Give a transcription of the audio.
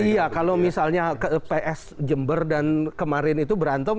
iya kalau misalnya ke ps jember dan kemarin itu berantem